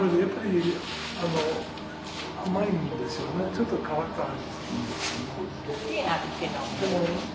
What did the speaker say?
ちょっと変わった味。